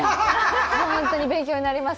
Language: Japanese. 本当に勉強になります。